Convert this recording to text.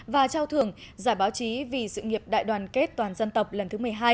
và trao thưởng giải báo chí vì sự nghiệp đại đoàn kết toàn dân tộc lần thứ một mươi hai